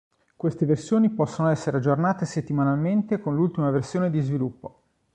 Queste versioni possono essere aggiornate settimanalmente con l'ultima versione di sviluppo.